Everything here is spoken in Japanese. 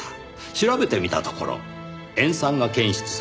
調べてみたところ塩酸が検出されました。